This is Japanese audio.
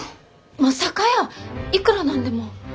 まさかやーいくら何でも。